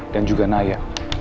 dan juga naya